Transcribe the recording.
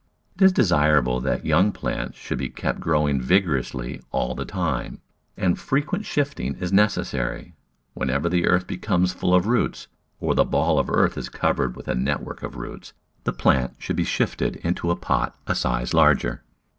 It is desirable that young plants should be kept growing vigorously all the time, and frequent shift ing is necessary. Whenever the earth becomes full of roots, or the ball of earth is covered with a network of roots, the plant should be shifted into a pot a size larger.